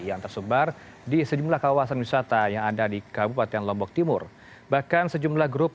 yang tersebar di sejumlah kawasan wisata yang ada di kabupaten lombok timur bahkan sejumlah grup